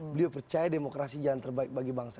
beliau percaya demokrasi jalan terbaik bagi bangsa